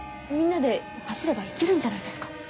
みんなで走れば行けるんじゃないですか？